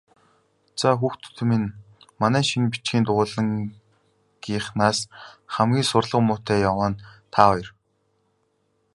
Заа, хүүхдүүд минь, манай шинэ бичгийн дугуйлангийнхнаас хамгийн сурлага муутай яваа нь та хоёр.